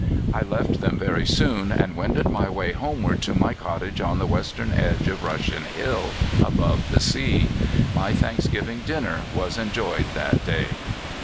I left them very soon, and wended my way home ward to my cottage on the western edge of Russian Hill, above the sea. My thanksgiving dinner was enjoyed that day.